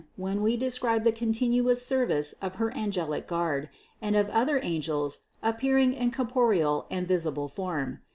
758) when we describe the continuous service of her angelic guard, and of other angels appearing in corporeal and visible form.